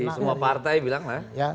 semua partai bilang lah